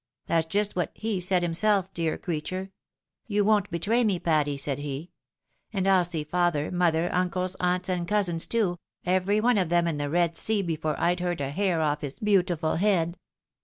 That's just what he" said himself, dear creature, ' You won't betray me, Patty,' said he ; and I'U see father, mother, uncles, aunts, and cousins too, every one of them in the Eed Sea before Pd hurt a hair of his beautiful head.